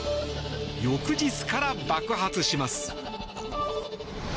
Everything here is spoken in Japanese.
翌日から、爆発します！